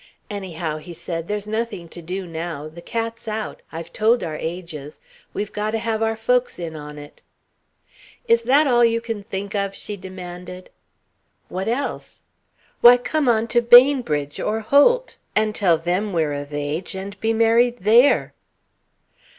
"Anyhow," he said, "there's nothing to do now. The cat's out. I've told our ages. We've got to have our folks in on it." "Is that all you can think of?" she demanded. "What else?" "Why, come on to Bainbridge or Holt, and tell them we're of age, and be married there."